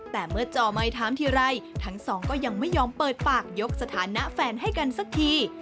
แต่เมื่อจอไม่ถามทีไรทั้งสองก็ยังไม่ยอมเปิดปากยกสถานะแฟนให้กันสักที